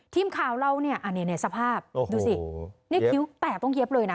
ทีมข่าวเล่าเนี้ยอ่าเนี้ยเนี้ยสภาพดูสิเนี้ยคิ้วแตกต้องเย็บเลยน่ะ